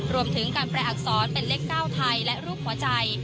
รวมถึงการแปลอักษรเป็นเลข๙ไทยและรูปหัวใจ